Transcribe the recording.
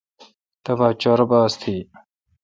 تبا چور باس تھی۔